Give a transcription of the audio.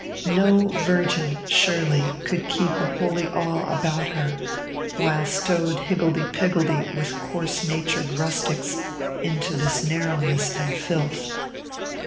No virgin, surely, could keep a holy awe about her while stowed higgledy piggledy with coarse natured rustics into this narrowness and filth.